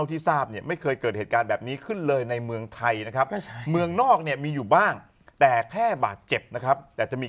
ทางคนเข้าตายอะไรอย่างนี้